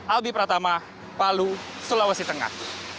albi pratama palu sulawesi tengah